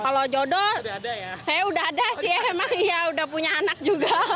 kalau jodoh saya udah ada sih emang iya udah punya anak juga